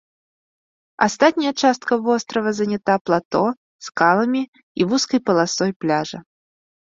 Астатняя частка вострава занята плато, скаламі і вузкай паласой пляжа.